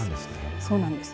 そうなんですね。